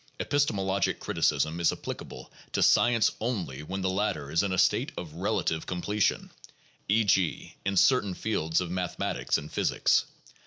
Bpistemologic criticism is applicable to science only when the latter is in a state of relative com pletion, e. g., in certain fields of mathematics and physics.